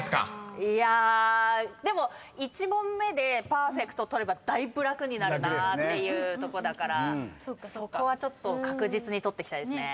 いやでも１問目でパーフェクト取ればだいぶ楽になるなっていうとこだからそこはちょっと確実に取っていきたいですね。